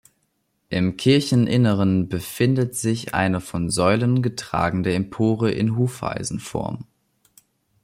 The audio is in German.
Im Kircheninneren befindet sich eine von Säulen getragene Empore in Hufeisenform.